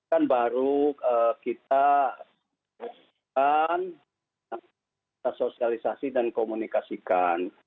dan baru kita sosialisasi dan komunikasikan